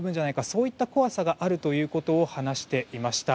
そういった怖さがあるということを話していました。